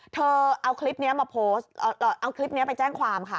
เธอเอาคลิปนี้มาโพสต์เอาคลิปนี้ไปแจ้งความค่ะ